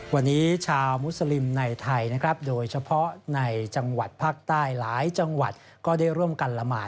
วันนี้ชาวมุสลิมในไทยนะครับโดยเฉพาะในจังหวัดภาคใต้หลายจังหวัดก็ได้ร่วมกันละหมาด